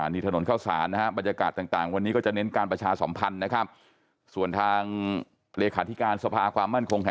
นี่ถนนเข้าสารนะครับบรรยากาศต่างวันนี้ก็จะเน้นการประชาสมพันธ์นะครับ